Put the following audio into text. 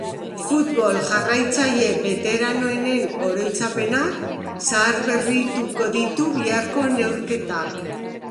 Futbol jarraitzaile beteranoenen oroitzapenak zaharberrituko ditu biharko neurketak.